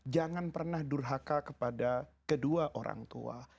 jangan pernah durhaka kepada kedua orang tua